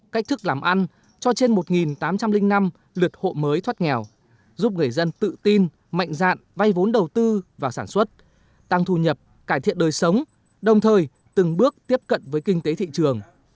cách thức làm ăn cho trên một tám trăm linh năm lượt hộ mới thoát nghèo giúp người dân tự tin mạnh dạn vay vốn đầu tư và sản xuất tăng thu nhập cải thiện đời sống đồng thời từng bước tiếp cận với kinh tế thị trường